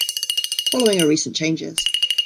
Following are recent changes.